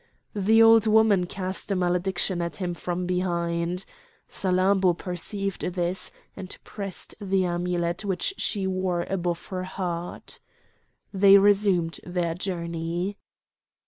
The old woman cast a malediction at him from behind. Salammbô perceived this, and pressed the amulet which she wore above her heart. They resumed their journey.